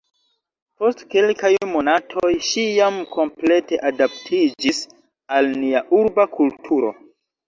Post kelkaj monatoj, ŝi jam komplete adaptiĝis al nia urba kulturo.